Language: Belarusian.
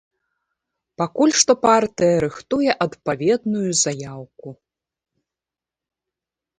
Пакуль што партыя рыхтуе адпаведную заяўку.